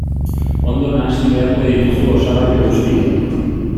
Ondo nahasi beharko dituzu osagarri guztiak.